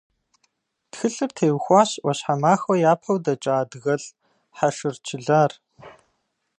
Тхылъыр теухуащ Ӏуащхьэмахуэ япэу дэкӀа адыгэлӀ Хьэшыр Чылар.